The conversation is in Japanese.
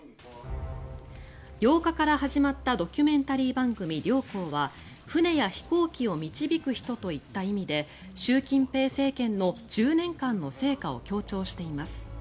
８日から始まったドキュメンタリー番組「領航」は船や飛行機を導く人といった意味で習近平政権の１０年間の成果を強調しています。